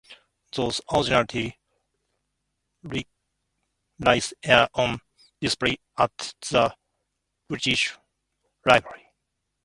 Those original lyrics are on display at The British Library.